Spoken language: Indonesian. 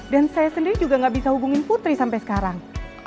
dan saya sendiri juga nggak bisa hubungin putri sampai sekarang